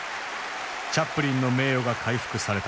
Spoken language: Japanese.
チャップリンの名誉が回復された。